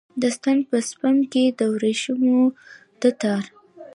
د ستن په سپم کې د وریښمو د تار